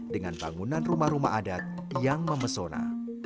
dengan bangunan rumah rumah adat yang memesona